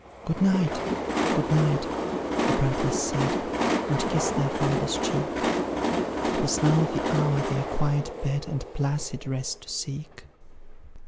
Good night! good night! the prattlers said, And kissed their father's cheek; 'Twas now the hour their quiet bed And placid rest to seek.